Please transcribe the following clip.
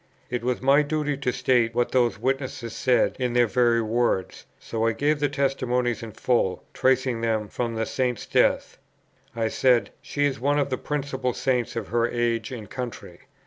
It was my duty to state what those witnesses said in their very words; so I gave the testimonies in full, tracing them from the Saint's death. I said, "She is one of the principal Saints of her age and country."